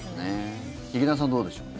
劇団さん、どうでしょう。